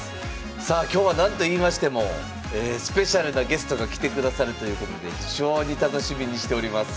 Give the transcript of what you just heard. さあ今日は何といいましてもスペシャルなゲストが来てくださるということで非常に楽しみにしております。